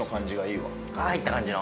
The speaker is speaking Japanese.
入った感じの？